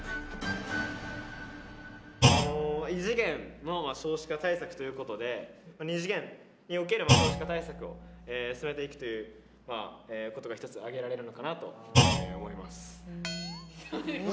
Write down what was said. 異次元の少子化対策ということで２次元における少子化対策を進めていくということが一つ挙げられるのかなと思います。